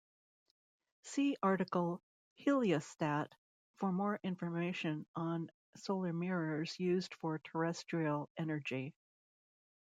See article "Heliostat" for more information on solar mirrors used for terrestrial energy.